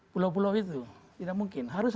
pulau pulau itu tidak mungkin harus